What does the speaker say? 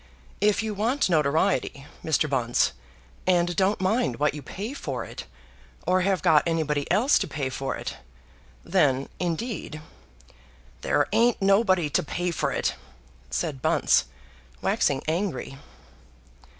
If you want notoriety, Mr. Bunce, and don't mind what you pay for it; or have got anybody else to pay for it; then indeed " "There ain't nobody to pay for it," said Bunce, waxing angry.